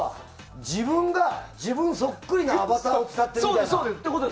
自分がそっくりなアバターを使っているみたいな。